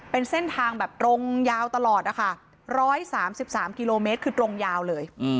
เป็นเส้นทางแบบตรงยาวตลอดนะคะ๑๓๓กิโลเมตรคือตรงยาวเลย